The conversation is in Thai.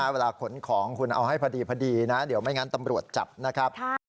ขนของคุณเอาให้พอดีนะเดี๋ยวไม่งั้นตำรวจจับนะครับ